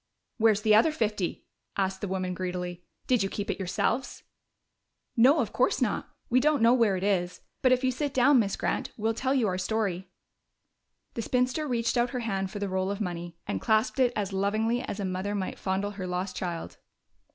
"Where's the other fifty?" asked the woman greedily. "Did you keep it yourselves?" "No, of course not. We don't know where it is. But if you sit down, Miss Grant, we'll tell you our story." The spinster reached out her hand for the roll of money and clasped it as lovingly as a mother might fondle her lost child.